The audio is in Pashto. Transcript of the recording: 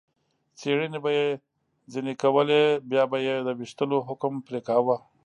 څېړنې به یې ځنې کولې، بیا به یې د وېشتلو حکم پرې کاوه.